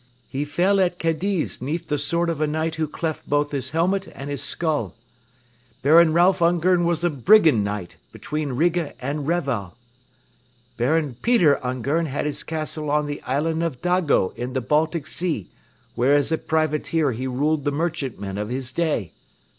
He fell at Cadiz 'neath the sword of a knight who cleft both his helmet and his skull. Baron Ralph Ungern was a brigand knight between Riga and Reval. Baron Peter Ungern had his castle on the island of Dago in the Baltic Sea, where as a privateer he ruled the merchantmen of his day.